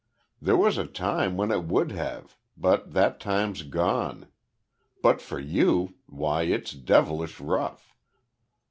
There was a time when it would have, but that time's gone. But for you why it's devilish rough."